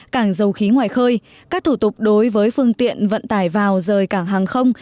cảng dầu khí ngoài khơi các thủ tục đối với phương tiện vận tải vào rời cảng hàng không